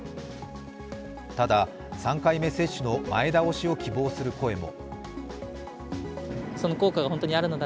ただ、３回目接種の前倒しを希望する声も。